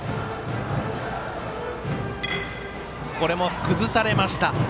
これも崩されました。